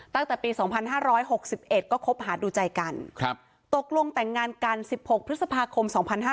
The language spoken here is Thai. ตั้งแต่ปี๒๕๖๑ก็คบหาดูใจกันตกลงแต่งงานกัน๑๖พฤษภาคม๒๕๕๙